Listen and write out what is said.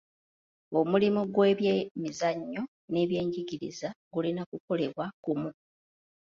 Omulimu gw'ebyemizannyo n'ebyenjigiriza gulina kukolebwa kumu.